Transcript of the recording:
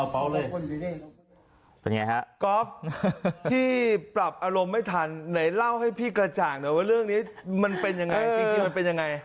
เป็นไงฮะกอล์ฟพี่ปรับอารมณ์ไม่ทันไหนเล่าให้พี่กระจ่างหน่อยว่าเรื่องนี้มันเป็นยังไงจริงมันเป็นยังไง